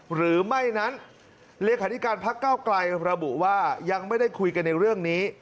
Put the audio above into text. หรือไม่นั้นเลขาธิการพักเก้าไกลระบุว่ายังไม่ได้คุยกันในเรื่องนี้